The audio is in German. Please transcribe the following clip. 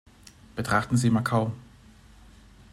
Betrachten Sie Macao.